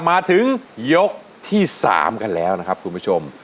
มาถึงยกที่๓กันแล้วนะครับคุณผู้ชม